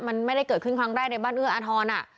มันไม่ได้เกิดขึ้นครั้งแรกในบ้านเอื้ออาทร